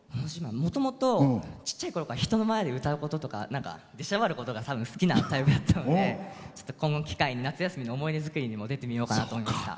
もともと、ちっちゃいころから人の前で歌うこととかでしゃばることが好きなタイプだったのでこの機会に夏休みの思い出作りに出てみようかなと思いました。